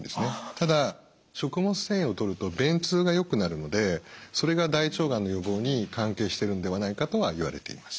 ただ食物繊維をとると便通がよくなるのでそれが大腸がんの予防に関係してるんではないかとはいわれています。